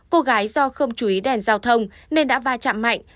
cô gái do không chú ý đèn giao thông nên đã va chạm mạnh